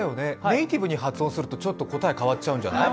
ネイティブに発音するとちょっと答え、変わっちゃうんじゃない？